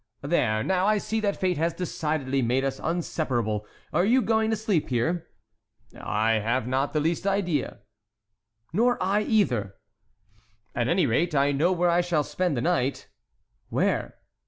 "There, now I see that fate has decidedly made us inseparable. Are you going to sleep here?" "I have not the least idea." "Nor I either." "At any rate, I know where I shall spend the night." "Where?"